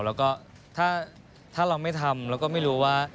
แล้วก็ถ้าเราไม่ทำเราก็ไม่รู้ว่า